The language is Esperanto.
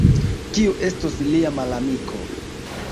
Kiu estos lia malamiko?